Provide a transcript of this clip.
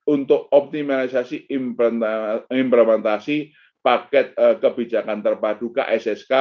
untuk optimalisasi implementasi paket kebijakan terpadu kssk